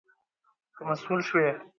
که مسؤول شوې